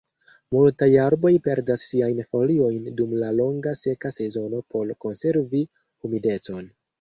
Multaj arboj perdas siajn foliojn dum la longa seka sezono por konservi humidecon.